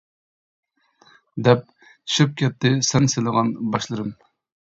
دەپ، چۈشۈپ كەتتى سەن سىلىغان باشلىرىم.